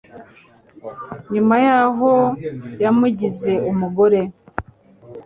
Nyuma yahoo yamugize umugore